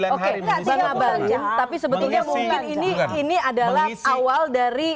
oke ngabalin tapi sebetulnya mungkin ini adalah awal dari